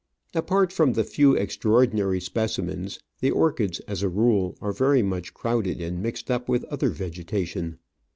Apart from the few extraordinary specimens, the orchids, as a rule, are very much crowded and mixed up with other vegeta tion.